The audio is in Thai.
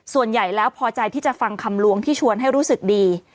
ส่วนใหญ่แล้วพอใจที่จะฟังคำลวงที่ชวนให้รู้สึกดี